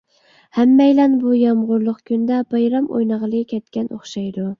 ھەممەيلەن بۇ يامغۇرلۇق كۈندە بايرام ئوينىغىلى كەتكەن ئوخشايدۇ.